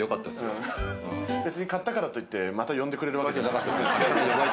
別に買ったからといって、また呼んでくれるわけじゃなかったしね。